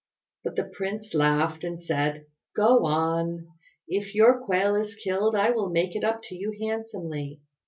But the Prince laughed and said, "Go on. If your quail is killed I will make it up to you handsomely."